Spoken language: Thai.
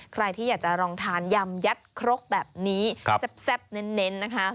ใครที่อยากจะลองทานยำยัดครกแบบนี้แซ่บเน้นนะคะ